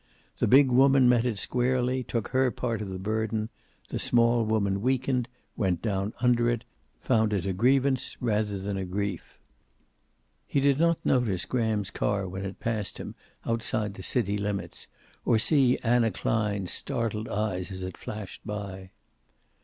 The big woman met it squarely, took her part of the burden; the small woman weakened, went down under it, found it a grievance rather than a grief. He did not notice Graham's car when it passed him, outside the city limits, or see Anna Klein's startled eyes as it flashed by.